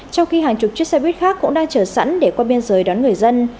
trong khi hàng chục chiếc xe buýt khác cũng đang chờ sẵn để qua biên giới đón người dân